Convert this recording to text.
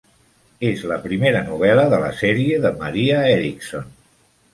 És la primera novel·la de la sèrie de Maria Eriksson.